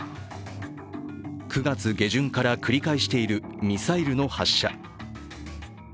９月下旬から繰り返しているミサイルの発射。